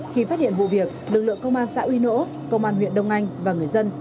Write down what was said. khi phát hiện vụ việc lực lượng công an xã uy nỗ huyện đông anh và người dân